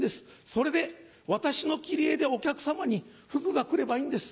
それで私の切り絵でお客さまに福が来ればいいんです。